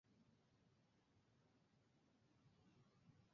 দুজন মহিলা তাদের ঐতিহ্যবাহী পোশাক পরে নাচছে।